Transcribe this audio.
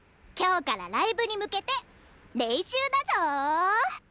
今日からライブに向けて練習だぞぉ！